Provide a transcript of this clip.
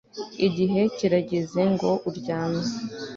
Igihe kirageze ngo uryame